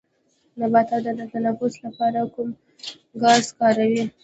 نباتات د تنفس لپاره کوم ګاز کاروي